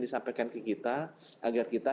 kita sampaikan ke kita agar kita